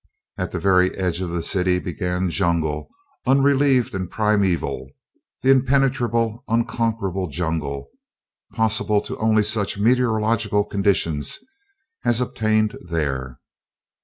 At the very edge of the city began jungle unrelieved and primeval; the impenetrable, unconquerable jungle, possible only to such meteorological conditions as obtained there.